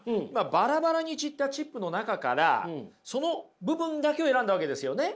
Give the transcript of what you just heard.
バラバラに散ったチップの中からその部分だけを選んだわけですよね？